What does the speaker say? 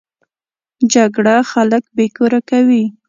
جګړه خلک بې کوره کوي